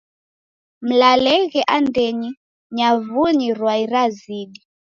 Mlalenghe andenyi nyavunyi rwai razidi.